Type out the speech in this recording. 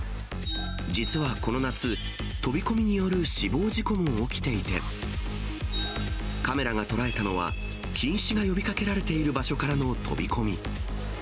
実はこの夏、飛び込みによる死亡事故も起きていて、カメラが捉えたのは、禁止が呼びかけられている場所からの飛び込み。